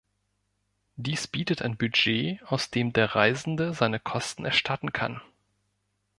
Dies bietet ein Budget, aus dem der Reisende seine Kosten erstatten kann.